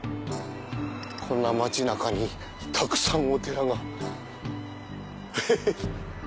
こんな街中にたくさんお寺がえ！